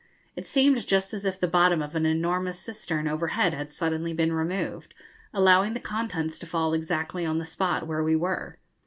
It seemed just as if the bottom of an enormous cistern overhead had suddenly been removed, allowing the contents to fall exactly on the spot where we were.